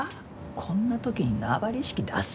こんな時に縄張り意識出す！？